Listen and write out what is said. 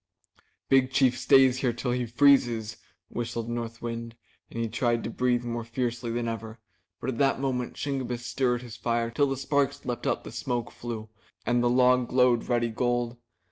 "Big Chief stay here till he freezes," whistled North Wind, and he tried to breathe more fiercely than ever. But at that moment Shingebiss stirred his fire till the sparks leaped up the smoke flue and the log glowed ruddy gold.